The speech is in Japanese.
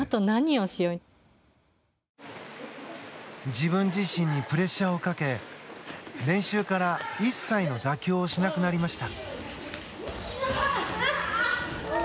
自分自身にプレッシャーをかけ練習から一切の妥協をしなくなりました。